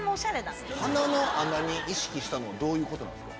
鼻の穴に意識したのはどういうことなんですか？